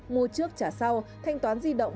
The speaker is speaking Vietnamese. mua trước trả sau thanh toán di động